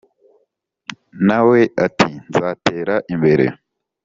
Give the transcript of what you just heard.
Nawe ati:”nzatera imbere”.